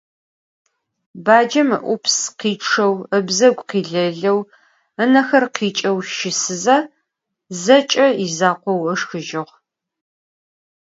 Bacem ı'ups khêççeu ıbzegu khileleu, ınexer khiççxeu şısıze, zeç'e yizakhou ışşxıjığ.